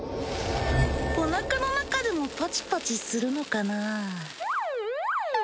おなかの中でもパチパチするのかな？